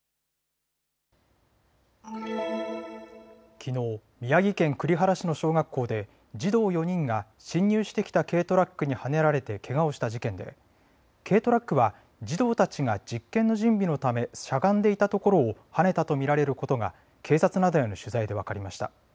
きのう宮城県栗原市の小学校で児童４人が侵入してきた軽トラックにはねられてけがをした事件で軽トラックは児童たちが実験の準備のためしゃがんでいたところをはねたと見られることが警察などへの取材で分かりました。